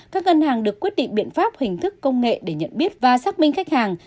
các ngân hàng được quyết định biện pháp hình thức công nghệ để nhận biết và xác minh khách hàng